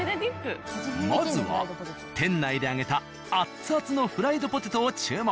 まずは店内で揚げた熱々のフライドポテトを注文。